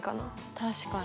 確かに。